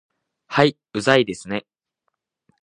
はい、うざいですね